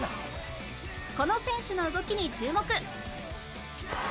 この選手の動きに注目！